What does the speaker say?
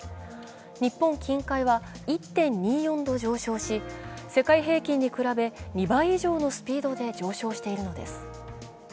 日本近海は１．２４度上昇し世界平均に比べ２倍以上のスピードで上昇しているのです。